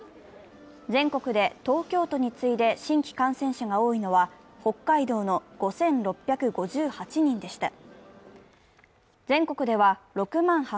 全国で東京都に次いで新規感染者が多いのは北海道の５６５８人でした。